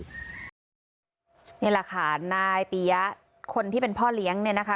นี่แหละค่ะนายปียะคนที่เป็นพ่อเลี้ยงเนี่ยนะคะ